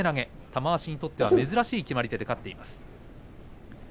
玉鷲にとっては珍しい決まり手で勝っています。